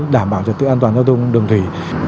đảm bảo trật tự an toàn giao thông đường thủy